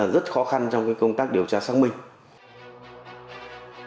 rất khó khăn trong công tác điều tra xác minh